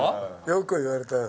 よく言われたよ。